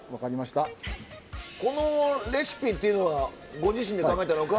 このレシピっていうのはご自身で考えたのか。